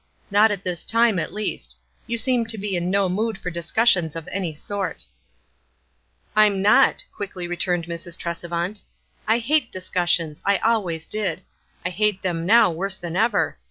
" Not at this time, at least. You seem to be in no mood for discussions of any sort." "I'm not," quickly returned Mrs. Tresevant* "I hate discussions. I always did. I hate them now worse than ever.